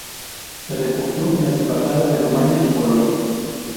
Se refugió en las embajadas de Rumanía y Polonia.